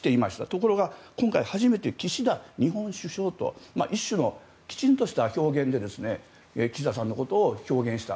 ところが今回初めて岸田日本首相と一種のきちんとした表現で岸田さんのことを表現した。